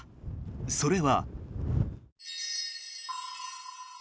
それは。